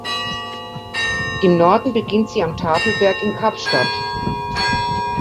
Im Norden beginnt sie am Tafelberg in Kapstadt.